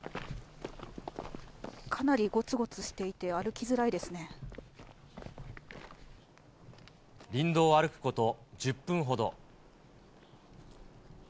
かなりごつごつしていて、林道を歩くこと１０分ほど。